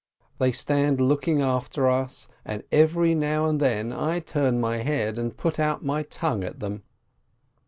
They stand looking after us, and every now and then I turn my head, and put out my tongue at them.